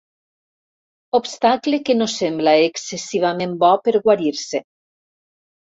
Obstacle que no sembla excessivament bo per guarir-se.